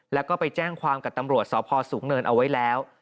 แล้วก็ไปแจ้งความกับตำรวจสพสูงเนินเอาไว้แล้ว